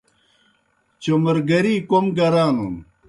چوْمرگری کوْم گرانُن۔